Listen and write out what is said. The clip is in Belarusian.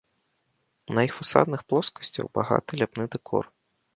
На іх фасадных плоскасцях багаты ляпны дэкор.